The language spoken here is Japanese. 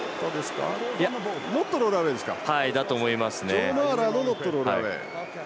ジョー・マーラーのノットロールアウェイ。